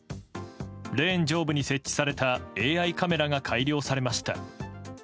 レーン上部に設置されたＡＩカメラが改良されました。